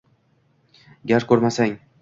Gar ko’rmasang